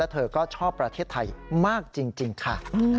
เธอก็ชอบประเทศไทยมากจริงค่ะ